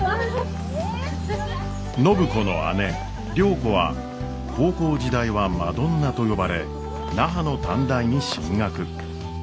暢子の姉良子は高校時代はマドンナと呼ばれ那覇の短大に進学。